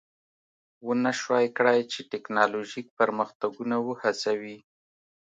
ونشوای کړای چې ټکنالوژیک پرمختګونه وهڅوي